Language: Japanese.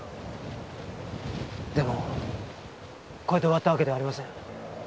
でもこれで終わったわけではありません。